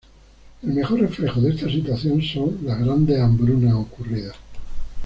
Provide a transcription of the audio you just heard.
El mejor reflejo de esta situación son las grandes hambrunas ocurridas.